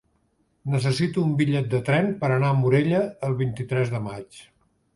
Necessito un bitllet de tren per anar a Morella el vint-i-tres de maig.